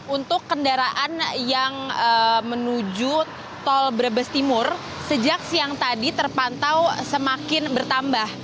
untuk kendaraan yang menuju tol brebes timur sejak siang tadi terpantau semakin bertambah